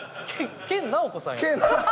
研ナオコさんやん。